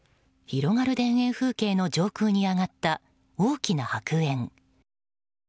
広がる田園風景の上空に上がった、大きな白煙。